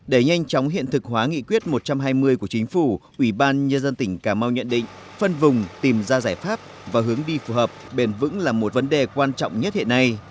để nhanh chóng hiện thực hóa nghị quyết một trăm hai mươi của chính phủ ủy ban nhân dân tỉnh cà mau nhận định phân vùng tìm ra giải pháp và hướng đi phù hợp bền vững là một vấn đề quan trọng nhất hiện nay